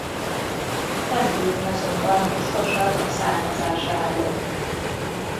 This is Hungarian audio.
Nem tudni azonban biztosat a származásáról.